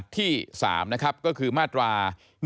ที่๓นะครับก็คือมาตรา๑๑